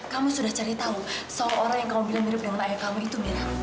kamu sudah cari tahu seorang yang kamu bilang mirip dengan ayah kamu itu mira